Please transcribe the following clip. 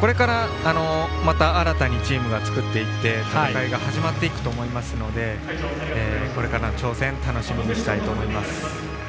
これからまた新たにチームを作っていって戦いが始まっていくと思いますのでこれからの挑戦楽しみにしたいと思います。